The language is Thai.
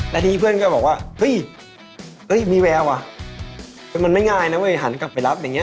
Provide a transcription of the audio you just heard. แล้วทีนี้เพื่อนก็บอกว่าเฮ้ยมีแววอ่ะมันไม่ง่ายนะเว้ยหันกลับไปรับอย่างนี้